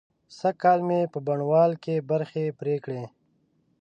سږکال مې په بڼوال کې برځې پرې کړې.